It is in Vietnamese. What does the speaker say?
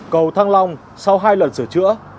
cầu thăng long sau hai lần sửa chữa